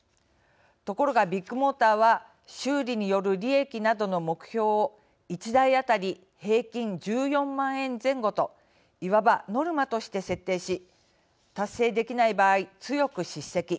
ところがビッグモーターは修理による利益などの目標を１台当たり、平均１４万円前後といわばノルマとして設定し達成できない場合、強く叱責。